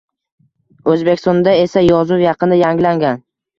O‘zbekistonda esa yozuv yaqinda yangilangan